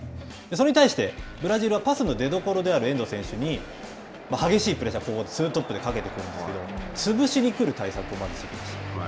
それに対してブラジルは、パスの出どころである遠藤選手に激しいプレッシャーをツートップでかけてくるんですけど、潰しに来る対策をまずしてきました。